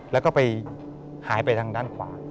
แล้วก็ไปหายไปทางด้านขวา